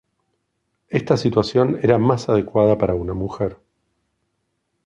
Esta situación era más adecuada para una mujer.